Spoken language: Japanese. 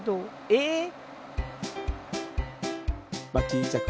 えっ！